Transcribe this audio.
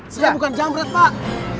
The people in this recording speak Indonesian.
saya bukan jamret pak